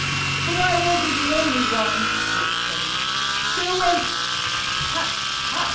"But I wasn't the only one!" he exclaimed. "There was " "Tut Tut!"